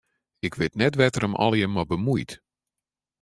Ik wit net wêr't er him allegearre mei bemuoit.